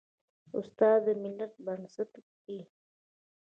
استاد د ملت بنسټ ږدي.